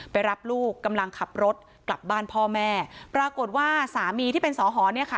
รับลูกกำลังขับรถกลับบ้านพ่อแม่ปรากฏว่าสามีที่เป็นสอหอเนี่ยค่ะ